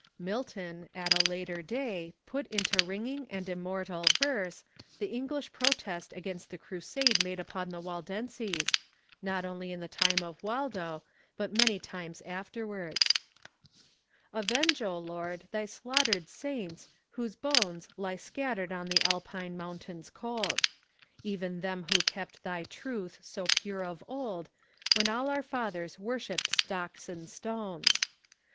Milton, at a later day, put into ringing and immortal verse the English protest against the crusade made upon the Waldenses, not only in the time of Waldo, but many times afterwards : "Avenge, O Lord, tby slaughter 'd Saints, whose bones Lie scatter 'd on the Alpine mountains cold ; Even them who kept thy truth so pure of old When all our Fathers worship't Stocks and Stones.